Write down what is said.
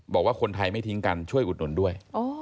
บอกว่าคนไทยไม่ทิ้งกันช่วยอุดหนุนด้วย